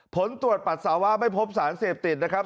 ผลตรวจปัสสาวะไม่พบสารเสพติดนะครับ